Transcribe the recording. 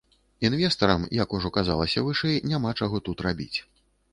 Інвестарам, як ужо казалася вышэй, няма чаго тут рабіць.